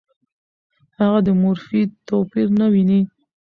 هغه د مورفي توپیر نه ویني.